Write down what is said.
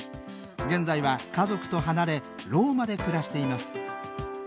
現在は家族と離れローマで暮らしています